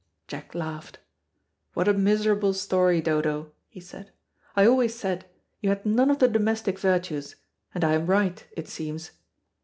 Jack laughed. "What a miserable story, Dodo," he said. "I always said you had none of the domestic virtues, and I am right, it seems."